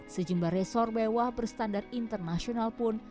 sejumlah resor mewah berstandar internasional pun